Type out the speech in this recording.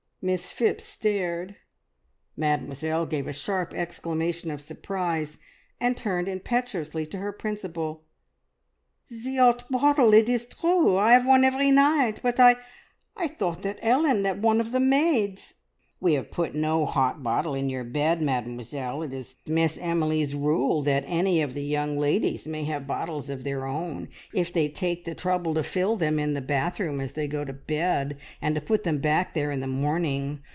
Miss Phipps stared, Mademoiselle gave a sharp exclamation of surprise, and turned impetuously to her Principal. "The 'ot bottle! It is true. I 'ave one every night, but I thought that Ellen that one of the maids " "We have put no hot bottle in your bed, Mademoiselle. It is Miss Emily's rule that any of the young ladies may have bottles of their own, if they take the trouble to fill them in the bathroom as they go to bed, and to put them back there in the morning.